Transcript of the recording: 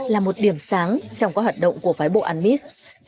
là một điểm sáng trong các hoạt động của phái bộ anmis